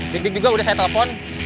dik dik juga udah saya telepon